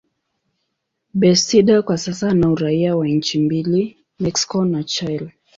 Bastida kwa sasa ana uraia wa nchi mbili, Mexico na Chile.